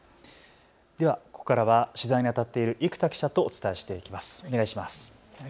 ではここからは取材にあたっている生田記者とお伝えしていきます。